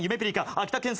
秋田県産